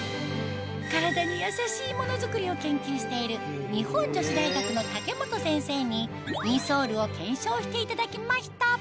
体に優しいモノづくりを研究している日本女子大学の武本先生にインソールを検証していただきました